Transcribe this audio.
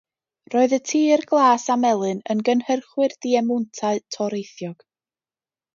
Roedd y tir glas a melyn yn gynhyrchwyr diemwntau toreithiog.